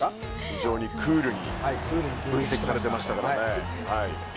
非常にクールに分析されていましたからね。